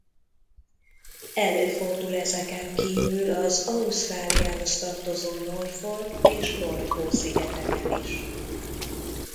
Előfordul ezeken kívül az Ausztráliához tartozó Norfolk- és Lord Howe szigeteken is.